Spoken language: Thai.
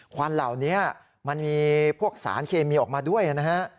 ควันเหล่านี้มันมีพวกสารเคมีออกมาด้วยนะฮะ